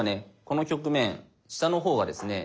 この局面下の方はですね